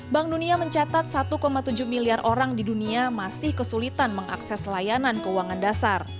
bank dunia mencatat satu tujuh miliar orang di dunia masih kesulitan mengakses layanan keuangan dasar